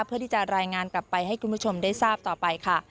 เพื่อที่จะรายงานกลับไปให้คุณผู้ชมได้ทราบต่อไปค่ะ